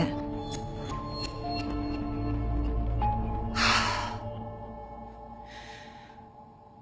ハァ。